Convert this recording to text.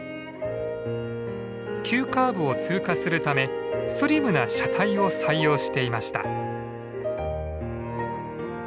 急カーブを通過するためスリムな車体を採用していました。